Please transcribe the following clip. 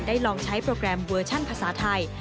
ลองใช้โปรแกรมเวอร์ชั่นภาษาไทย